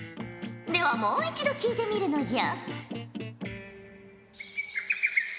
ではもう一度聞いてみるのじゃ。